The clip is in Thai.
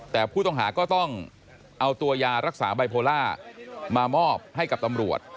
แต่ผู้ต้องหาก็ต้องเอาตัวยารักษาไบโพล่ามามอบให้กับตำรวจ